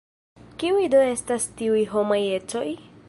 Kiuj do estas tiuj homaj ecoj?